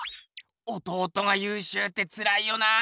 弟がゆうしゅうってつらいよな。